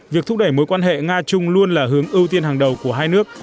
việc thúc đẩy mối quan hệ nga trung luôn là hướng ưu tiên hàng đầu của hai nước